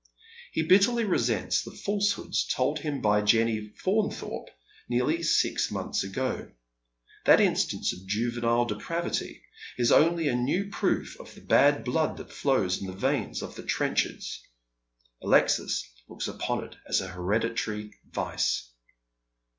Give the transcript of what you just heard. He bitterly resents the falsehoods told him by Jenny Faun thorpe nearly six months ago. That instance of juvenile depravity is only a new proof of the bad blood that flows in the veins of the Trenchards. Alexis looks upon it as hereditary vice.